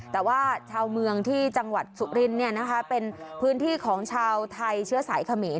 แต่ว่าชาวเมืองที่จังหวัดสุรินเป็นพื้นที่ของชาวไทยเชื้อสายเขมร